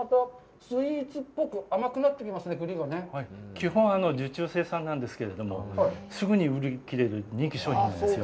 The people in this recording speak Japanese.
基本、受注生産なんですけれども、すぐに売り切れる人気商品なんですよ。